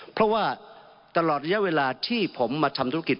เพราะว่าตลอดระยะเวลาที่ผมมาทำธุรกิจ